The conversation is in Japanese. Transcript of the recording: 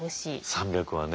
３００はね。